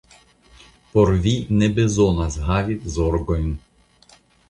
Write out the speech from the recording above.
Por vi ne bezonas havi zorgojn.